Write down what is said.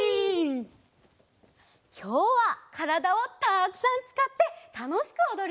きょうはからだをたくさんつかってたのしくおどるよ！